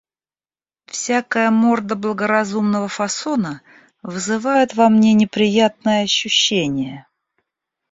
Всякая морда благоразумного фасона вызывает во мне неприятное ощущение.